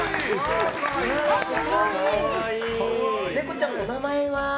ネコちゃんのお名前は？